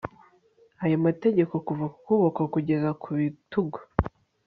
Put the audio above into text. ayo mategeko kuva ku kuboko kugeza ku bitugu